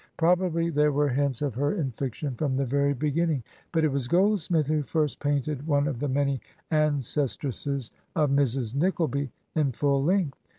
Probably there were hints of her in fiction from the very beginning, but it was Goldsmith who first painted one of the many ancestresses of Mrs. Nickleby in full length.